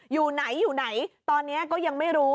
อยู่ไหนอยู่ไหนตอนนี้ก็ยังไม่รู้